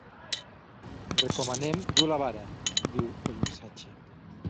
Recomanem dur la vara, diu el missatge.